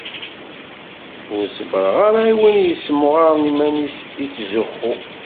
Ur ṣebbreɣ ara i win yessemɣaren iman-is, ittzuxxu.